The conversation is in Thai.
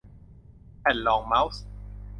แผ่นรองเม้าส์